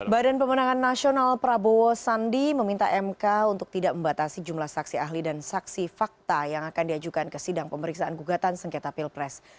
badan pemenangan nasional prabowo sandi meminta mk untuk tidak membatasi jumlah saksi ahli dan saksi fakta yang akan diajukan ke sidang pemeriksaan gugatan sengketa pilpres